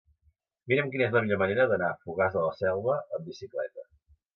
Mira'm quina és la millor manera d'anar a Fogars de la Selva amb bicicleta.